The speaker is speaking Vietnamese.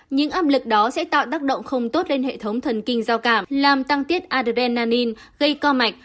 những âm lực đó sẽ tạo tác động không tốt lên hệ thống thần kinh giao cảm làm tăng tiết adrenaline gây co mạch